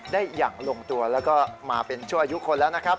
ได้อย่างลงตัวแล้วก็มาเป็นชั่วอายุคนแล้วนะครับ